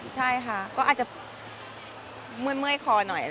ใช่ค่ะก็อาจจะเมื่อยคอหน่อย